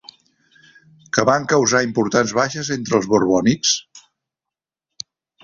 Què van causar important baixes entre els borbònics?